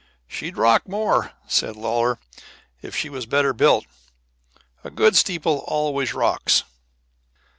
"She'd rock more," said Lawlor, "if she was better built. A good steeple always rocks."